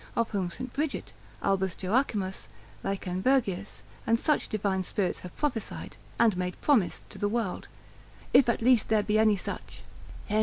of whom S. Bridget, Albas Joacchimus, Leicenbergius, and such divine spirits have prophesied, and made promise to the world, if at least there be any such (Hen.